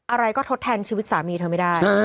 อะไรก็ทดแทนชีวิตสามีเธอไม่ได้